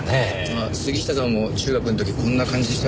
あっ杉下さんも中学の時こんな感じでした？